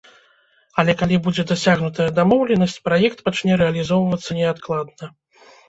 Але калі будзе дасягнутая дамоўленасць, праект пачне рэалізоўвацца неадкладна.